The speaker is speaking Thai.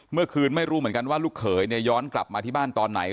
เมื่อคืนไม่รู้เหมือนกันว่าลูกเขยเนี่ยย้อนกลับมาที่บ้านตอนไหน